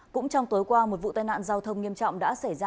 cũng trong tối qua một vụ tai nạn giao thông nghiêm trọng đã xảy ra